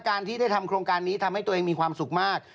การที่ได้ทำโครงการนี้ทำให้ตัวเองมีความสุขมาก